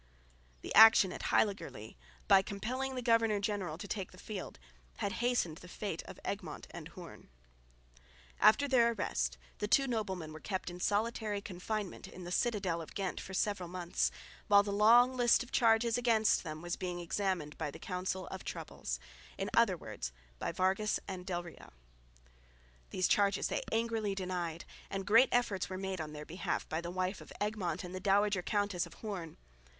The action at Heiligerlee, by compelling the governor general to take the field, had hastened the fate of Egmont and Hoorn. After their arrest the two noblemen were kept in solitary confinement in the citadel of Ghent for several months, while the long list of charges against them was being examined by the Council of Troubles in other words by Vargas and del Rio. These charges they angrily denied; and great efforts were made on their behalf by the wife of Egmont and the dowager Countess of Hoorn.